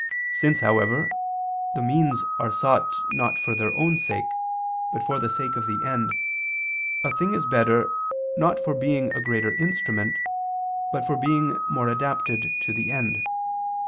Since, however, the means are sought not for their own sake, but for the sake of the end, a thing is better, not for being a greater instrument, but for being more adapted to the end.